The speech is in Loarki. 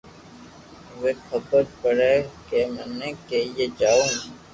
اووي خبر پڙي ڪي مني ڪيئي جاو